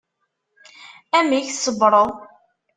Amek tṣebbreḍ?